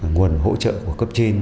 nguồn hỗ trợ của cấp trên